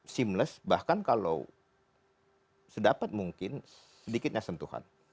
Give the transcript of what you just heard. seamless bahkan kalau sedapat mungkin sedikitnya sentuhan